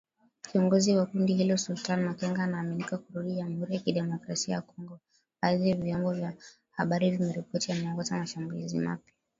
Kiongozi wa kundi hilo, Sultani Makenga anaaminika kurudi Jamhuri ya Kidemokrasia ya Kongo. badhi ya vyombo vya habari vimeripoti anaongoza mashambulizi mapya